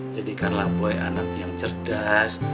jadikanlah mulai anak yang cerdas